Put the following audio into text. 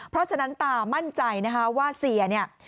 เพราะฉะนั้นตามั่นใจนะคะว่าเสียเนี่ย